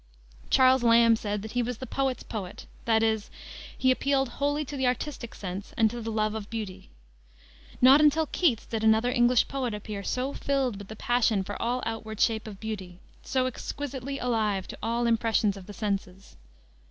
Charles Lamb said that he was the poet's poet, that is, he appealed wholly to the artistic sense and to the love of beauty. Not until Keats did another English poet appear so filled with the passion for all outward shapes of beauty, so exquisitely alive to all impressions of the senses.